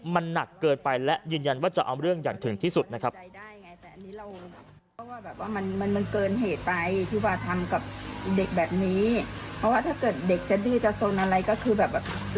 เพราะว่าถ้าเกิดเด็กจะดื้อจะสนอะไรก็คือแบบ